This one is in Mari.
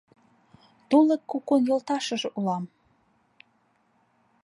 Тулык кукун йолташыже улам.